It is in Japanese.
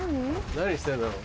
何してんだろう？